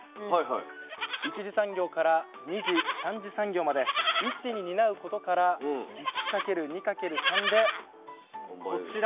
１次産業から２次３次産業まで一手に担うことから１掛ける２掛ける３でこちら。